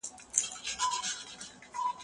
ښوونکي درس ورکړی دی او تدريس بشپړ سوی دی.